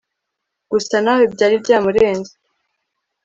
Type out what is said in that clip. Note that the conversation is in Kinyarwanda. gusa nawe byari byamurenze